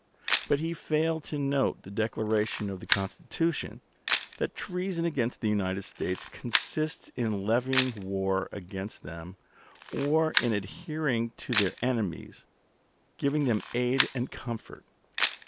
But he failed to note the declaration of the Constitution that treason against the United States consists in levying war against them, or in adhering to their enemies, giving them aid and comfort.